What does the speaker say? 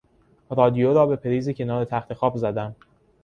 رادیو را به پریز کنار تختخواب زدم.